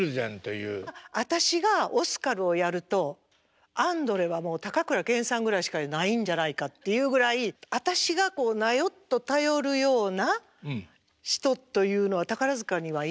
私がオスカルをやるとアンドレはもう高倉健さんぐらいしかないんじゃないかっていうぐらい私がこうなよっと頼るような人というのは宝塚にはいない。